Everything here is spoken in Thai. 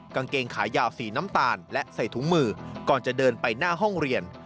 กางเกงขายาวสีน้ำตาลและใส่ถุงมือก่อนจะเดินไปหน้าห้องเรียน